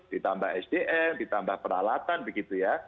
ditambah sdm ditambah peralatan begitu ya